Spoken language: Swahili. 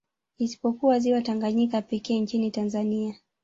Isipokuwa ziwa Tanganyika pekee nchini Tanzania